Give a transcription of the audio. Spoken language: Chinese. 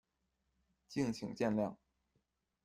敬请见谅